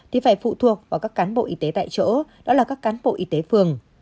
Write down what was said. thì phải phụ thuộc vào các cán bộ y tế tại chỗ đó là các cán bộ y tế phường